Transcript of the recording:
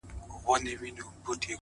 د اختر سهار ته مي!!